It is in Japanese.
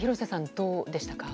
どうでしたか？